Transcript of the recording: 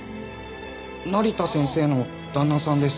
成田先生の旦那さんです。